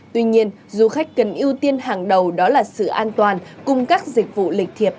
tuy nhiên du khách cần ưu tiên hàng đầu đó là sự an toàn cùng các dịch vụ lịch thiệp